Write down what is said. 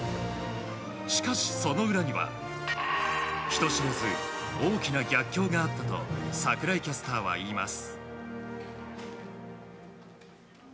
しかし、その裏には人知れず大きな逆境があったと櫻井キャスターは言います。